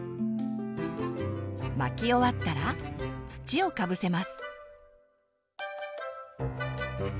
まき終わったら土をかぶせます。